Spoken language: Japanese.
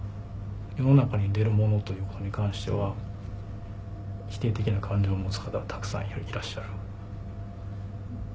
世の中に出るものということに関しては否定的な感情を持つ方はたくさんいらっしゃる。